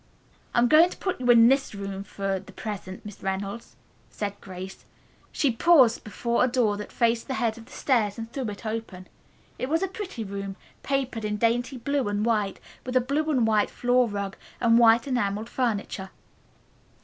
"I'm going to put you in this room for the present, Miss Reynolds," said Grace. She paused before a door that faced the head of the stairs and threw it open. It was a pretty room, papered in dainty blue and white, with a blue and white floor rug and white enameled furniture.